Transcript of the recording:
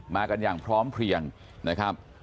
กันอย่างพร้อมเพลียงนะครับ